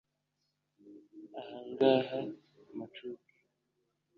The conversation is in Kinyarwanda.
Ahangaha mpacuke